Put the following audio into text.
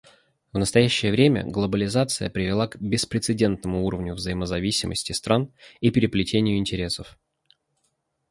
В настоящее время глобализация привела к беспрецедентному уровню взаимозависимости стран и переплетению интересов.